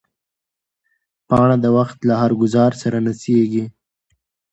پاڼه د وخت له هر ګوزار سره نڅېږي.